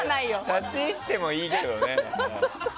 立ち入ってもいいけどね。